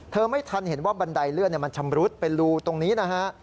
ไม่ทันเห็นว่าบันไดเลื่อนมันชำรุดเป็นรูตรงนี้นะฮะ